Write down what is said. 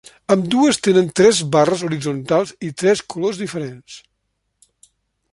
Ambdues tenen tres barres horitzontals i tres colors diferents.